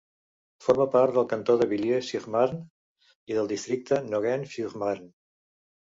Forma part del cantó de Villiers-sur-Marne i del districte de Nogent-sur-Marne.